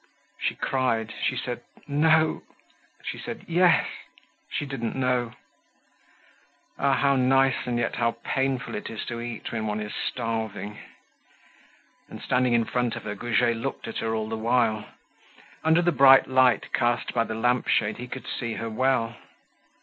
She cried, she said "no," she said "yes," she didn't know. Ah! how nice and yet how painful it is to eat when one is starving. And standing in front of her, Goujet looked at her all the while; under the bright light cast by the lamp shade he could see her well.